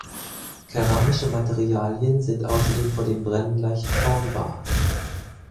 Keramische Materialien sind außerdem vor dem Brennen leicht formbar.